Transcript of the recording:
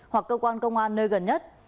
hoặc cơ quan công an nơi gần nhất